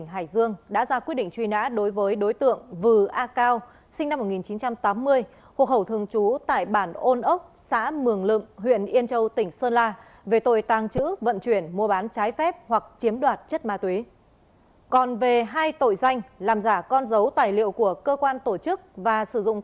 hãy đăng ký kênh để nhận thông tin nhất